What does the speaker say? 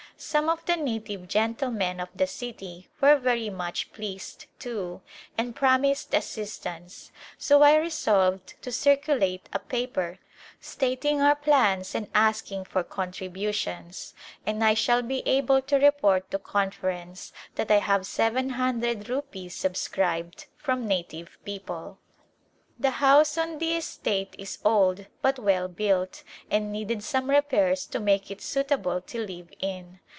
Some of the native gentlemen of the city were very much pleased, too, and promised assistance, so I resolved to circulate a paper stating our plans and asking for contributions, and I shall be able to report to Conference that I have seven hundred rupees subscribed from native people. The house on the estate is old but well built and needed some repairs to make it suitable to live in.